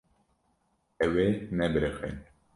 Ew ê nebiriqe.